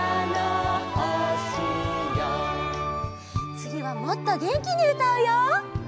つぎはもっとげんきにうたうよ！